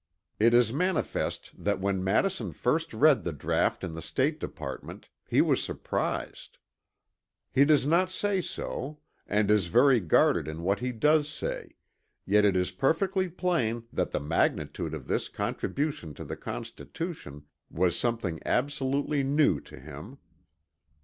It is manifest that when Madison first read the draught in the State Department, he was surprised. He does not say so, and is very guarded in what he does say; yet it is perfectly plain that the magnitude of this contribution to the Constitution was something absolutely new to him.